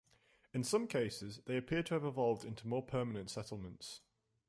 In some cases, they appear to have evolved into more permanent settlements.